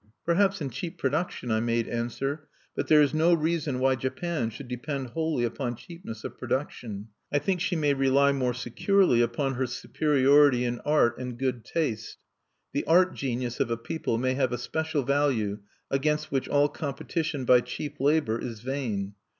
"Perhaps in cheap production," I made answer. "But there is no reason why Japan should depend wholly upon cheapness of production. I think she may rely more securely upon her superiority in art and good taste. The art genius of a people may have a special value against which all competition by cheap labor is vain.